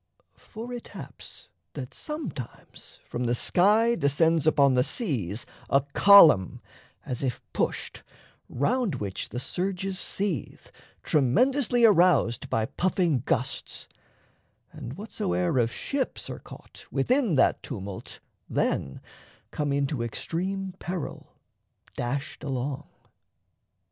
For it haps that sometimes from the sky descends Upon the seas a column, as if pushed, Round which the surges seethe, tremendously Aroused by puffing gusts; and whatso'er Of ships are caught within that tumult then Come into extreme peril, dashed along.